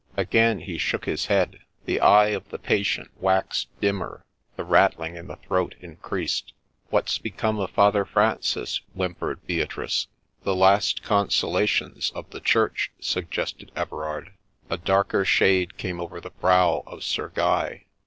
Again he shook his head ; the eye of the patient waxed dimmer, the rattling in the throat increased. ' What 's become of Father Francis ?' whimpered Beatrice. ' The last consolations of the Church —' suggested Everard. A darker shade came over the brow of Sir Guy.